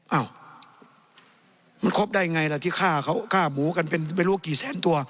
อ้าวมันครบได้ไงล่ะที่ฆ่าเขาฆ่าหมูกันเป็นไม่รู้กี่แสนตัว